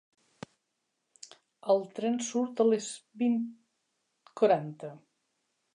El tren surt a les vint quaranta.